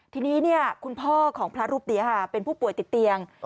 ทีนี้คุณพ่อของพระรูปนี้เป็นผู้ป่วยติดเตียง